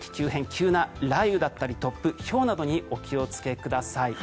急な雷雨だったり突風、ひょうなどにお気をつけください。